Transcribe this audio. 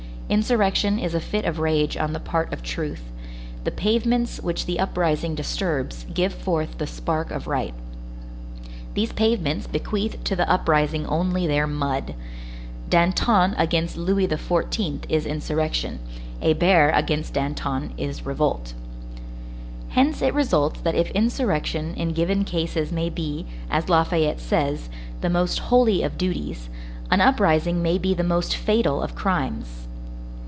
Insurrection is a fit of rage on the part of truth; the pavements which the uprising disturbs give forth the spark of right. These pavements bequeath to the uprising only their mud. Danton against Louis XIV. is insurrection; Hébert against Danton is revolt. Hence it results that if insurrection in given cases may be, as Lafayette says, the most holy of duties, an uprising may be the most fatal of crimes.